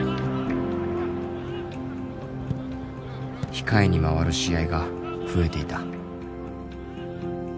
控えに回る試合が増えていた。